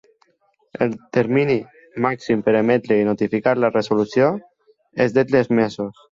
El termini màxim per emetre i notificar la resolució és de tres mesos.